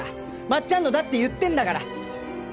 まっちゃんのだって言ってんだから。